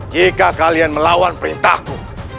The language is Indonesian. jika kalian melawan perintahku